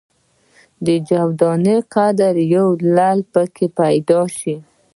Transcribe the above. جو دانې قدر یو لعل په کې پیدا شي.